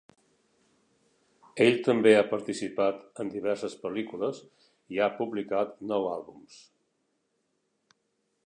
Ell també ha participat en diverses pel·lícules i ha publicat nou àlbums.